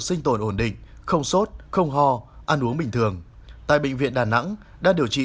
sinh tồn ổn định không sốt không ho ăn uống bình thường tại bệnh viện đà nẵng đang điều trị